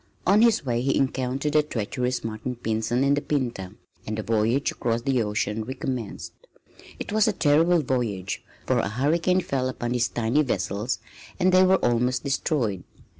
On his way he encountered the treacherous Martin Pinzon in the Pinta, and the voyage across the ocean recommenced. It was a terrible voyage, for a hurricane fell upon the tiny vessels and they were almost destroyed.